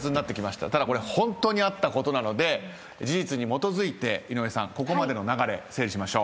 ただこれホントにあったことなので事実に基づいて井上さんここまでの流れ整理しましょう。